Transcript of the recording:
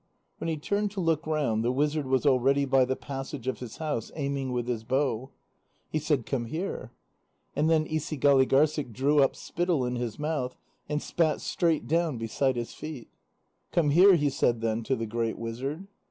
When he turned to look round, the wizard was already by the passage of his house, aiming with his bow. He said: "Come here." And then Isigâligârssik drew up spittle in his mouth and spat straight down beside his feet. "Come here," he said then, to the great wizard.